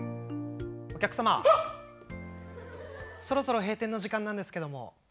そろそろ閉店の時間なんですけども。